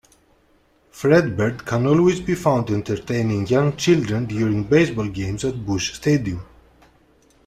Fredbird can always be found entertaining young children during baseball games at Busch Stadium.